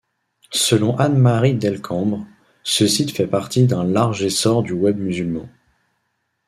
Selon Anne-Marie Delcambre, ce site fait partie d'un large essor du web musulman.